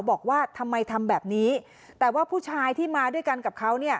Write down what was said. บอกว่าทำไมทำแบบนี้แต่ว่าผู้ชายที่มาด้วยกันกับเขาเนี่ย